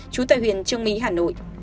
chú tại huyện trương mỹ hà nội